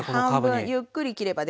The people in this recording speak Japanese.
半分ゆっくり切ればできます。